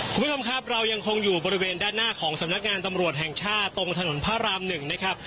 คุณผู้ชมครับเรายังคงอยู่บริเวณด้านหน้าของสำนักงานตำรวจแห่งชาติตรงถนนพระราม๑นะครับ